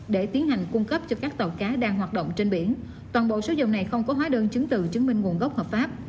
để tiến hành cung cấp cho các tàu cá đang hoạt động trên biển toàn bộ số dầu này không có hóa đơn chứng từ chứng minh nguồn gốc hợp pháp